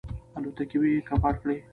الوتکې یې کباړ کړې.